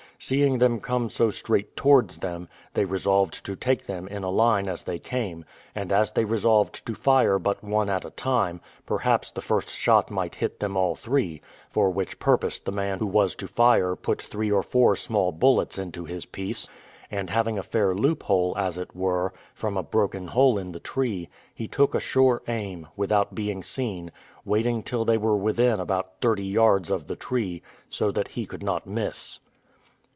Seeing them come so straight towards them, they resolved to take them in a line as they came: and as they resolved to fire but one at a time, perhaps the first shot might hit them all three; for which purpose the man who was to fire put three or four small bullets into his piece; and having a fair loophole, as it were, from a broken hole in the tree, he took a sure aim, without being seen, waiting till they were within about thirty yards of the tree, so that he could not miss.